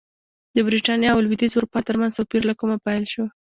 د برېټانیا او لوېدیځې اروپا ترمنځ توپیر له کومه پیل شو